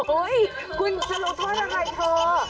โอ๊ยคุณกูจะลงโทษมันไงเธอ